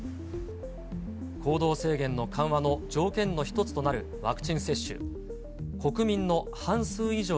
行動制限の緩和の条件の一つとなるワクチン接種。